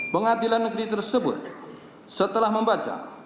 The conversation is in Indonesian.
pengadilan negeri tersebut setelah membaca